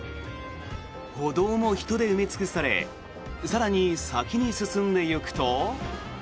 歩道も人で埋め尽くされ更に、先に進んでいくと。